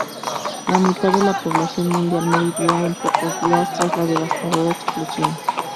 La mitad de la población mundial moriría en pocos días tras la devastadora explosión.